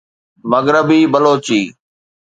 مغربي بلوچي